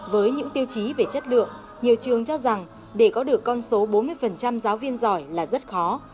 với những tiêu chí về chất lượng nhiều trường cho rằng để có được con số bốn mươi giáo viên giỏi là rất khó